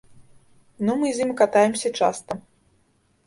Ну, мы з ім катаемся часта.